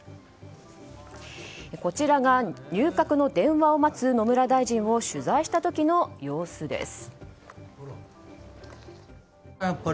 こちらが入閣の電話を待つ野村大臣を取材した時の様子です。